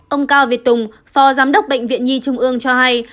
ông cao việt tùng phó giám đốc bệnh viện nhi trung ương cho hay